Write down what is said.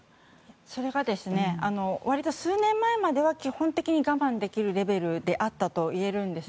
それは、割と数年前までは基本的に我慢できるレベルであったといえるんです。